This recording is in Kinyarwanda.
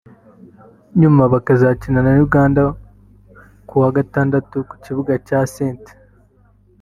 nyuma bakazakina na Uganda ku wa Gatandatu ku kibuga cya St